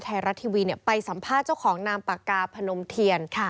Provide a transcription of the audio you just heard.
ไทยรัฐทีวีไปสัมภาษณ์เจ้าของนามปากกาพนมเทียน